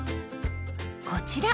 こちら！